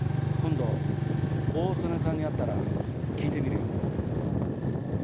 今度大曾根さんに会ったら聞いてみるよ。